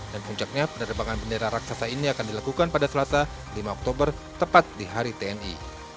dan puncaknya penerbangan bendera raksasa ini akan dilakukan pada selasa lima oktober tepat di hari tni